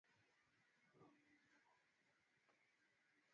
mwandishi wetu emanuel mbando anakuja na taarifa zaidi